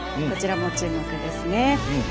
こちらも注目ですね。